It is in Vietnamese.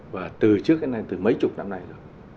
và từ trước đến nay từ mấy chục năm nay rồi